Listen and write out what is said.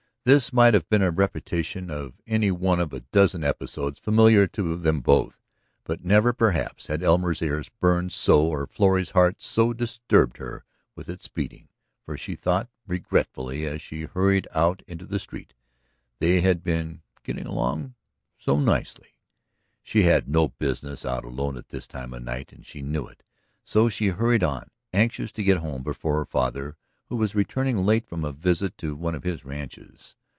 This might have been a repetition of any one of a dozen episodes familiar to them both, but never, perhaps, had Elmer's ears burned so or Florrie's heart so disturbed her with its beating. For, she thought regretfully as she hurried out into the street, they had been getting along so nicely. ... She had no business out alone at this time of night and she knew it. So she hurried on, anxious to get home before her father, who was returning late from a visit to one of his ranches.